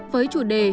với chủ đề